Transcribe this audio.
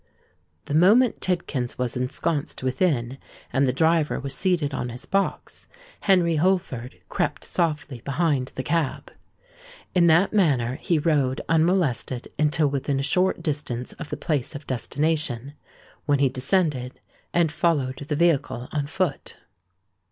The moment Tidkins was ensconced within, and the driver was seated on his box, Henry Holford crept softly behind the cab. In that manner he rode unmolested until within a short distance of the place of destination, when he descended, and followed the vehicle on foot.